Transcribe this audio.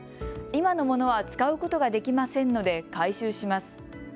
今のものは使うことができませんので回収します。